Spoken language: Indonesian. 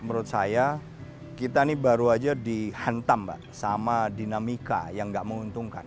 menurut saya kita ini baru aja dihantam mbak sama dinamika yang nggak menguntungkan